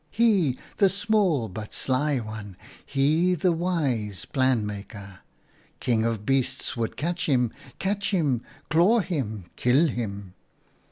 He, the small but sly one ; he, the wise Planmaker. King of Beasts would catch him; catch him, claw him, kill him